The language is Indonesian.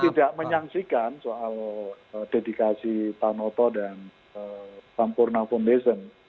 tidak menyaksikan soal dedikasi tanoto dan sampurna foundation